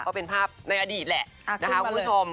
ก็เป็นภาพในอดีตแหละนะคะคุณผู้ชม